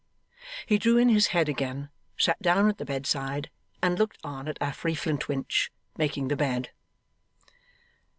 He drew in his head again, sat down at the bedside, and looked on at Affery Flintwinch making the bed.